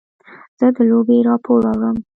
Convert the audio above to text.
زه د لوبې راپور اورم.